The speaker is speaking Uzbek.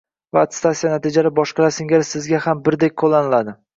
va attestatsiya natijalari boshqalar singari sizga ham birdek qo‘llaniladi.